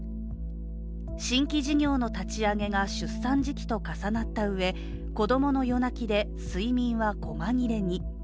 新規事業の立ち上げが出産時期と重なったうえ子供の夜泣きで睡眠はこま切れに。